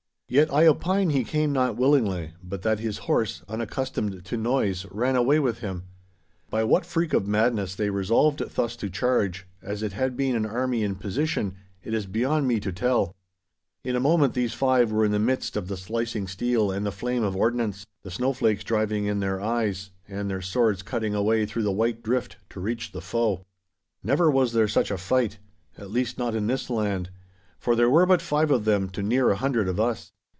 Yet I opine he came not willingly, but that his horse, unaccustomed to noise, ran away with him. By what freak of madness they resolved thus to charge, as it had been an army in position, it is beyond me to tell. In a moment these five were in the midst of the slicing steel and the flame of ordnance—the snow flakes driving in their eyes and their swords cutting a way through the white drift to reach the foe. Never was there such a fight—at least, not in this land, for there were but five of them to near a hundred of us!